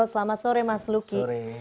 selamat sore mas luki